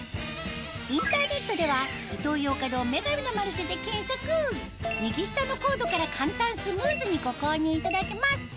インターネットでは右下のコードから簡単スムーズにご購入いただけます